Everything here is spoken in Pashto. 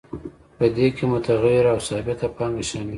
په دې کې متغیره او ثابته پانګه شامله ده